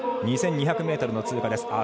２２００ｍの通過。